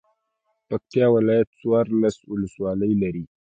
پکتيا ولايت څوارلس ولسوالۍ لری.